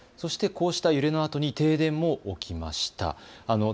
そしてこうした揺れのあとに停電も起きました。